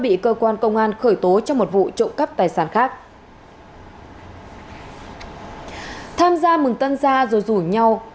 bị cơ quan công an khởi tố trong một vụ trộm cắp tài sản khác tham gia mừng tân gia rồi rủ nhau